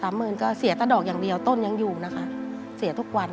หมื่นก็เสียแต่ดอกอย่างเดียวต้นยังอยู่นะคะเสียทุกวัน